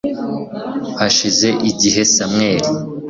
Hashize igihe Samweli